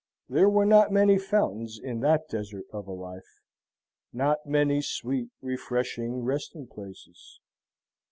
There were not many fountains in that desert of a life not many sweet, refreshing resting places.